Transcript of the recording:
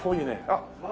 あっ！